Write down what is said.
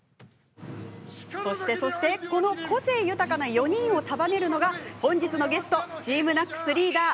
そして、この個性豊かな４人を束ねるのが本日のゲストＴＥＡＭＮＡＣＳリーダー